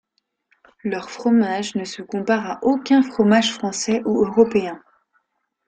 Leurs fromages ne se comparent à aucun fromage français ou européen.